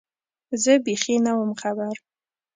زه بېخي نه وم خبر